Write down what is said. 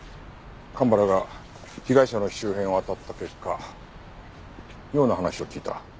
蒲原が被害者の周辺をあたった結果妙な話を聞いた。